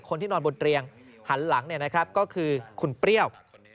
คนที่นอนบนเตรียงหันหลังเนี่ยนะครับก็คือคุณเปรี้ยว